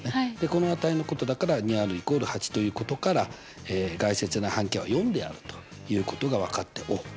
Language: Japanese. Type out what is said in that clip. この値のことだから２Ｒ＝８ということから外接円の半径は４であるということが分かっておっ